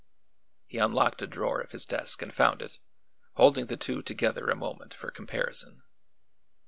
He unlocked a drawer of his desk and found it, holding the two together a moment for comparison.